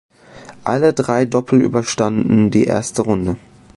Alle drei Doppel überstanden die erste Runde.